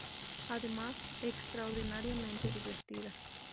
Además es extraordinariamente divertida.